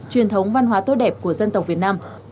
truyền thống văn hóa tốt đẹp của dân tộc việt nam